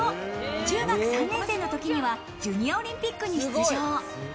中学３年生の時にはジュニアオリンピックに出場。